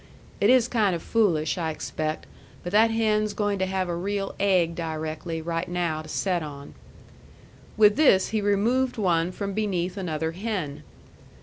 It is kind of foolish, I expect, but that hen's goin' to have a real aigg di rectly, right now, to set on." With this he removed one from beneath another hen.